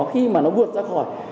khi mà nó vượt ra khỏi